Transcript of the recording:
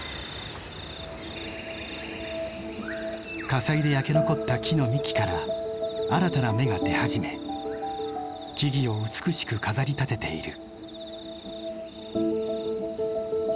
火災で焼け残った木の幹から新たな芽が出始め木々を美しく飾りたてている。